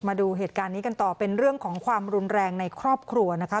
มาดูเหตุการณ์นี้กันต่อเป็นเรื่องของความรุนแรงในครอบครัวนะคะ